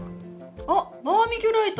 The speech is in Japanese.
あっバーミキュライト！